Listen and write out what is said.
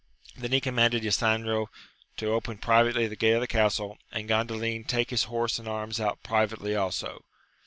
Then he commanded Ysanjo to open privately the gate of the castle, and Gandalin to take 266 AMADIS OF GAUL. his horse and arms oat, privately also.